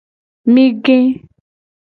Mi ge.